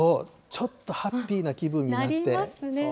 ちょっとハッピーな気分になって。